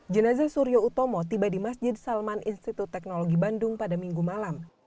jenazah suryo utomo tiba di masjid salman institut teknologi bandung pada minggu malam